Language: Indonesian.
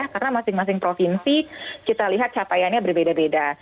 karena masing masing provinsi kita lihat capaiannya berbeda beda